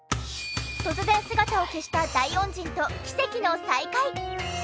突然姿を消した大恩人と奇跡の再会！